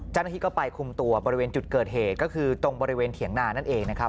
เจ้าหน้าที่ก็ไปคุมตัวบริเวณจุดเกิดเหตุก็คือตรงบริเวณเถียงนานั่นเองนะครับ